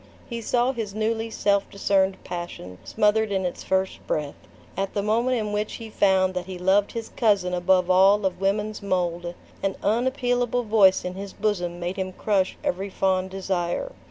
He saw his newly self discerned passion smothered in its first breath. At the moment in which he found that he loved his cousin above all of women's mold, an unappealable voice in his bosom made him crush every fond desire.